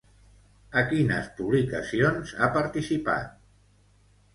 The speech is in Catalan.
A quines publicacions ha participat?